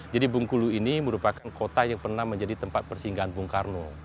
jadi bungkulu ini merupakan kota yang pernah menjadi tempat persinggahan bungkalau